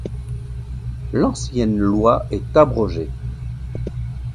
L'ancienne loi est abrogée.